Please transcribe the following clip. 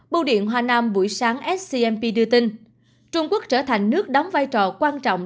bộ điện hòa nam buổi sáng scmp đưa tin trung quốc trở thành nước đóng vai trò quan trọng